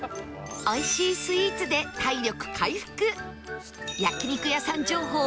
おいしいスイーツで体力回復